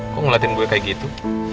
kok ngeliatin gue kayak gitu